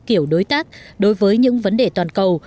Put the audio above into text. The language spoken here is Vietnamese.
kiểu đối tác đối với những vấn đề toàn cầu